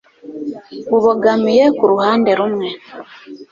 bubogamiye ku ruhande rumwe